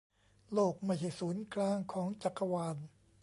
โลกไม่ใช่ศูนย์กลางของจักรวาล